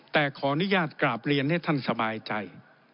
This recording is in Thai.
แต่ขออนุญาตกราบเรียนให้ท่านสบายใจ